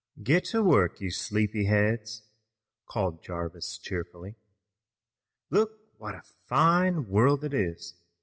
"Get to work, you sleepy heads!" called Jarvis cheerfully. "Look what a fine world it is!